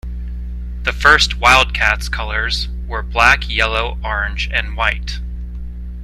The first Wildcats colours were black, yellow, orange and white.